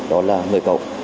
đó là người cậu